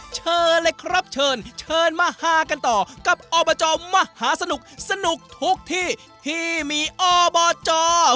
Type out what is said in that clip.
เชิญเลยครับเชิญเชิญมาฮากันต่อกับอบจมหาสนุกสนุกทุกที่ที่มีอบจ